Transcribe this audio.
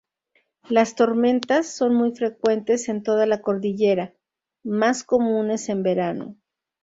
Las tormentas son muy frecuentes en toda la cordillera, más comunes en verano.